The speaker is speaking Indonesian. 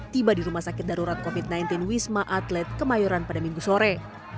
tiba di rumah sakit darurat covid sembilan belas wisma atlet kemayoran pada minggu sore